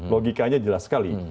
logikanya jelas sekali